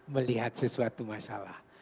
melihat sesuatu masalah